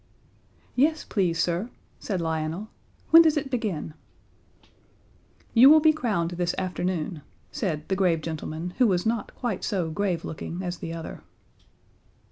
"Yes, please, sir," said Lionel, "when does it begin?" "You will be crowned this afternoon," said the grave gentleman who was not quite so grave looking as the other.